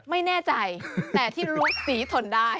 ไม่แน่ใจแต่ที่ลุกสีทนได้